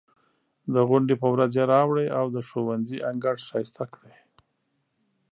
د غونډې په ورځ یې راوړئ او د ښوونځي انګړ ښایسته کړئ.